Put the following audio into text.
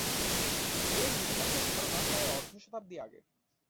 এর বিন্যাসের ধারণা প্রায় অর্ধ শতাব্দী আগের।